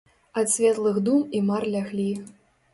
Ад светлых дум і мар ляглі.